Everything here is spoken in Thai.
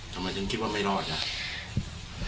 ทำไมถึงคิดว่าไม่รอดอ่ะ